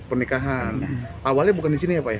pernikahan awalnya bukan di sini ya pak ya